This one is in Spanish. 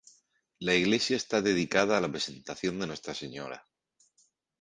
La iglesia está dedicada a La Presentación de Nuestra Señora.